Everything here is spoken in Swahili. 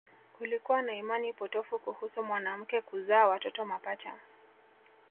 Kulikuwa na imani potofu kuhusu mwanamke kuzaa watoto mapacha